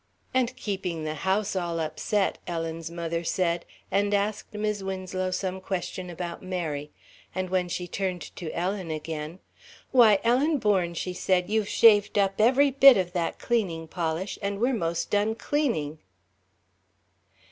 "And keeping the house all upset," Ellen's mother said, and asked Mis' Winslow some question about Mary; and when she turned to Ellen again, "Why, Ellen Bourne," she said, "you've shaved up every bit of that cleaning polish and we're most done cleaning."